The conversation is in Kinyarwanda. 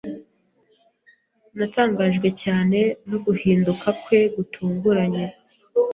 Natangajwe cyane no guhinduka kwe gutunguranye.